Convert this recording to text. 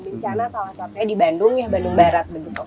bencana salah satunya di bandung ya bandung barat